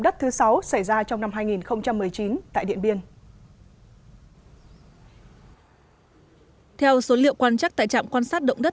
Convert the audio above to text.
đất thứ sáu xảy ra trong năm hai nghìn một mươi chín tại điện biên theo số liệu quan trắc tại trạm quan sát động đất